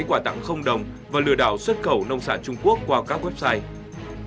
quả tặng không đồng và lừa đảo xuất khẩu nông sản trung quốc qua các website